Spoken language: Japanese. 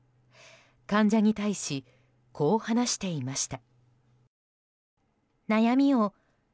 患者に対しこう話していました。